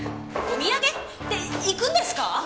お土産？って行くんですか！？